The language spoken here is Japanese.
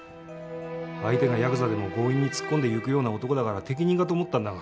相手がやくざでも強引に突っ込んでいくような男だから適任かと思ったんだが。